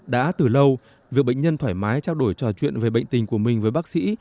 đã từ lâu việc bệnh nhân thoải mái trao đổi trò chuyện về bệnh tình của mình với bác sĩ